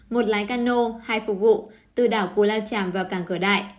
một lái cano hai phục vụ từ đảo cù lao tràm vào cảng cửa đại